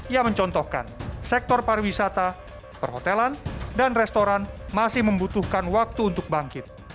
ia mencontohkan sektor pariwisata perhotelan dan restoran masih membutuhkan waktu untuk bangkit